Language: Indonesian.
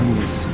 pak pak pak